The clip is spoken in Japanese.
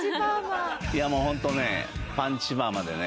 いやもうホントねパンチパーマでね。